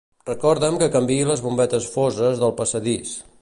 Recorda'm que canviï les bombetes foses del passadís